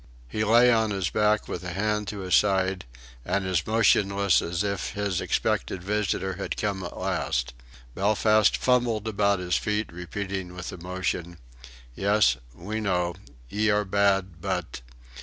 He lay on his back with a hand to his side, and as motionless as if his expected visitor had come at last. Belfast fumbled about his feet, repeating with emotion: "Yes. We know. Ye are bad, but....